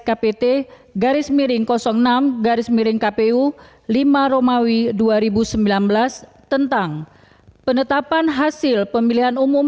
kpt garis miring enam garis miring kpu lima romawi dua ribu sembilan belas tentang penetapan hasil pemilihan umum